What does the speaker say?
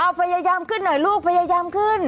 เอาพยายามขึ้นหน่อยลูกพยายามขึ้น